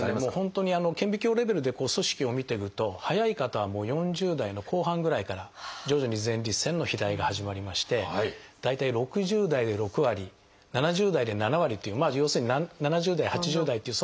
本当に顕微鏡レベルで組織を見ていくと早い方はもう４０代の後半ぐらいから徐々に前立腺の肥大が始まりまして大体６０代で６割７０代で７割という要するに７０代８０代っていう